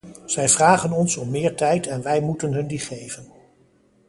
Zij vragen ons om meer tijd en wij moet hun die geven.